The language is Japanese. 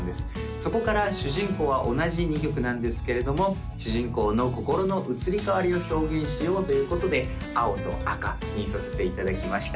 そこから主人公は同じ２曲なんですけれども主人公の心の移り変わりを表現しようということで青と赤にさせていただきました